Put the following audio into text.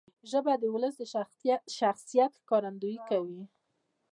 ژبه د ولس د شخصیت ښکارندویي کوي.